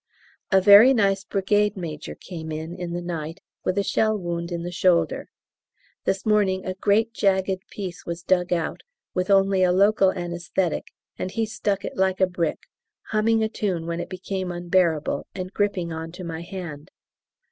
A very nice Brigade Major came in, in the night, with a shell wound in the shoulder. This morning a great jagged piece was dug out, with only a local anæsthetic, and he stuck it like a brick, humming a tune when it became unbearable and gripping on to my hand.